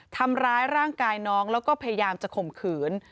ทำร้ายร่างกายน้องแล้วก็พยายามจะข่มขืน